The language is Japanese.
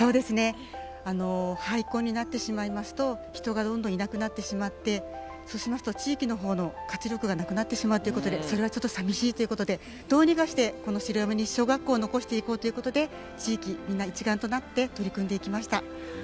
廃校になってしまいますと人がどんどんいなくなってしまってそうしますと地域の活力がなくなってしまうのでちょっと寂しいということで城山西小学校を残していこうってことで地域みんな一丸となって取り組んでいきました。